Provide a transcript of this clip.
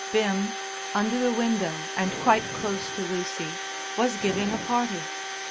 Bim, under the window and quite close to Lucy, was giving a party.